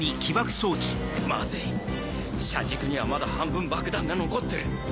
マズい車軸にはまだ半分爆弾が残ってる。